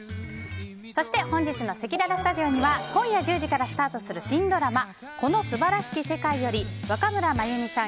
そして本日のせきららスタジオには今夜１０時からスタートする新ドラマ「この素晴らしき世界」より若村麻由美さん